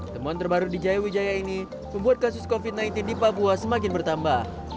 temuan terbaru di jaya wijaya ini membuat kasus covid sembilan belas di papua semakin bertambah